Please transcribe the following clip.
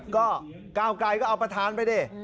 ก็ก้าวไกรก็เอาประธานไปดิ